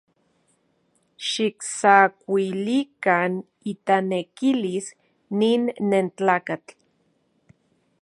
Xiktsakuilikan itanekilis nin nentlakatl.